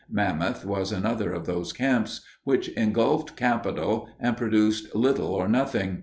Mammoth was another of those camps which engulfed capital and produced little or nothing.